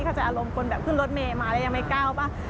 จะอารมณ์คนแบบขึ้นรถเมย์มาแล้วยังไม่ก้าวป่ะ